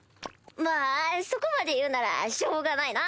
まぁそこまで言うならしょうがないな。